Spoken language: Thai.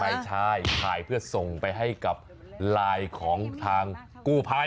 ไม่ใช่ถ่ายเพื่อส่งไปให้กับไลน์ของทางกู้ไพ